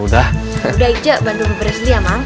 udah aja bantu bu presli ya mang